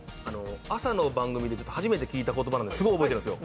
朝の番組で初めて聞いた言葉だったので、すごい覚えてるんですよ。